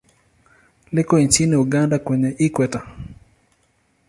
Liko nchini Uganda kwenye Ikweta.